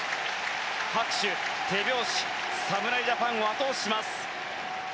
拍手、手拍子侍ジャパンを後押しします。